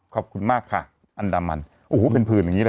ขอบคุณมากค่ะอันดามันโอ้โหเป็นผื่นอย่างนี้เลย